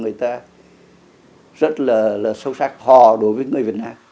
người ta rất là sâu sắc hò đối với người việt nam